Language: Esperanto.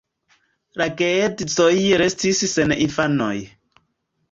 La geedzoj restis sen infanoj.